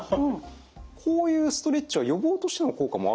こういうストレッチは予防としての効果もあるんでしょうか？